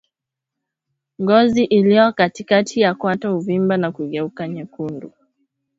Ngozi iliyo katikati ya kwato huvimba na kugeuka nyekundu